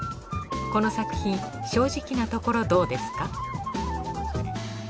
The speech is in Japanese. この作品正直なところどうですか？